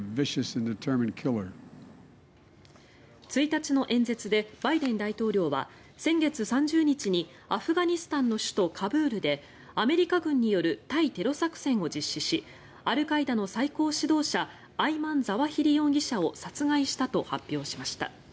１日の演説でバイデン大統領は先月３０日にアフガニスタンの首都カブールでアメリカ軍による対テロ作戦を実施しアルカイダの最高指導者アイマン・ザワヒリ容疑者を殺害したと発表しました。